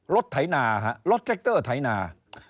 รถไถ่นารถแทรกเตอร์ไถ่นา